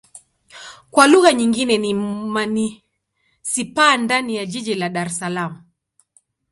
Kwa lugha nyingine ni manisipaa ndani ya jiji la Dar Es Salaam.